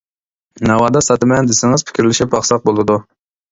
ناۋادا ساتىمەن دېسىڭىز پىكىرلىشىپ باقساق بولىدۇ.